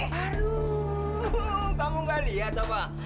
aduh kamu gak lihat apa